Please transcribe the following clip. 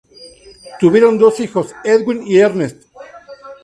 Tuvieron dos hijos, Edwin y Ernest.